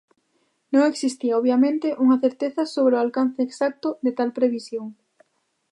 Non existía, obviamente, unha certeza sobre o alcance exacto de tal previsión.